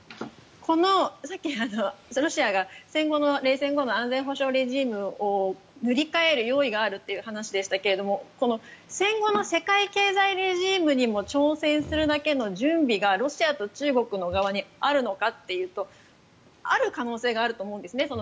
さっきロシアが、戦後の冷戦後の安全保障レジームを塗り替える用意があるという話でしたけどこの戦後の世界経済レジームにも挑戦するだけの準備がロシアと中国の側にあるのかっていうとある可能性があると思うんですね。